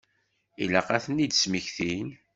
Ilaq ad ten-id-smektin.